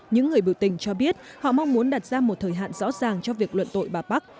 những người biểu tình cho biết họ mong muốn đặt ra một thời hạn rõ ràng cho việc luận tội bà park